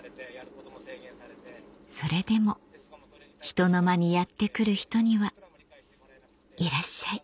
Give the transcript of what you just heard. それでもひとのまにやって来る人には「いらっしゃい」